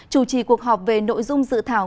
chủ trì cuộc họp về nội dung dự thảo